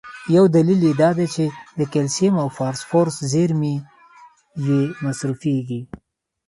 یو دلیل یې دا دی چې د کلسیم او فاسفورس زیرمي یې مصرفېږي.